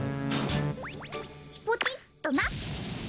ポチっとな。